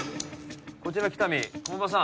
こちら喜多見駒場さん